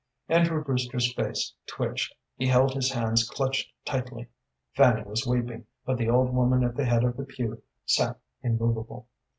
Andrew Brewster's face twitched; he held his hands clutched tightly. Fanny was weeping, but the old woman at the head of the pew sat immovable.